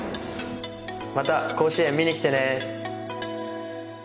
また甲子園見に来てね。